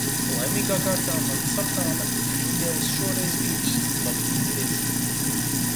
Laimīgā kārtā mans safrāna kriņģelis šoreiz bija īsti labi izdevies.